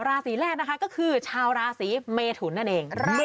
ราศีแรกนะคะก็คือชาวราศีเมทุนนั่นเอง